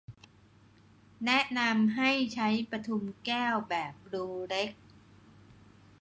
แนะนำให้ใช้ปทุมแก้วแบบรูเล็ก